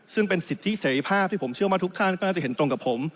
ซึ่งเป็นสิทธิเสรีภาพที่ผมเชื่อว่าทุกท่านก็น่าจะเห็นตรงกับผม